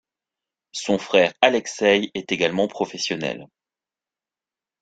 Son frère Alekseï est également professionnel.